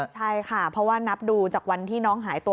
ใช่ค่ะเพราะว่านับดูจากวันที่น้องหายตัว